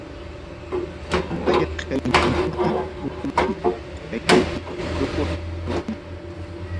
Umalliq kayninqa umalliq kayninpi ruwaq runam.